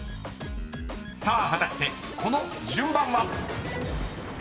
［果たしてこの順番は⁉］